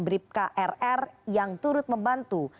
brip krr yang turut membantu